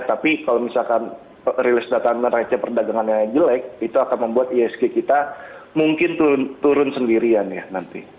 tapi kalau misalkan rilis data meraca perdagangan yang jelek itu akan membuat ihsg kita mungkin turun sendirian ya nanti